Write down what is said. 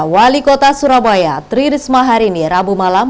wali kota surabaya tririsma harini rabu malam